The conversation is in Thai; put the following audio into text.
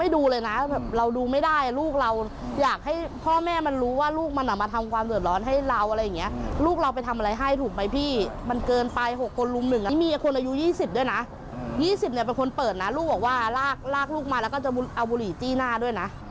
ดูเลยนะเราดูไม่ได้ลูกเราอยากให้พ่อแม่มันรู้ว่าลูกมันออกมาทำความเติบร้อนให้เราอะไรอย่างเงี้ยลูกเราไปทำอะไรให้ถูกไหมพี่มันเกินไป๖คนรุมหนึ่งอ่ะมีคนอายุ๒๐ด้วยนะ๒๐เนี่ยเป็นคนเปิดนะลูกบอกว่าลากลูกมาแล้วก็จะเอาบุหรี่จี้หน้าด้วยนะ